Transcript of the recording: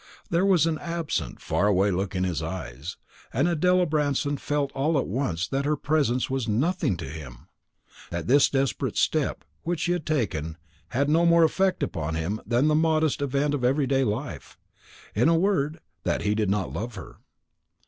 There was an absent far away look in his eyes: and Adela Branston felt all at once that her presence was nothing to him; that this desperate step which she had taken had no more effect upon him than the commonest event of every day life; in a word, that he did not love her.